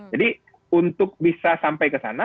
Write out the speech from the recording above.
jadi untuk bisa sampai kesana